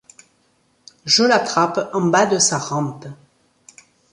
Je l'attrape en bas de sa rampe.